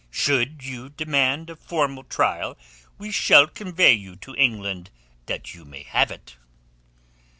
"Should you demand a formal trial, we will convey you to England that you may have it."